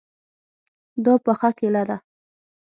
دا پخه کیله ده